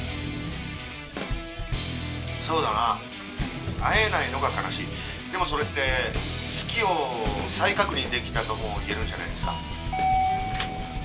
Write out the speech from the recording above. そうだな会えないのが悲しいでもそれって好きを再確認できたとも言えるんじゃないですか？